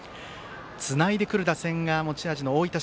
つないでくる打線が持ち味の大分